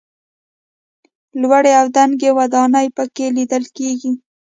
لوړې او دنګې ودانۍ په کې لیدل کېږي.